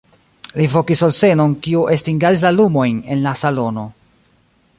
Li vokis Olsen'on, kiu estingadis la lumojn en la salono.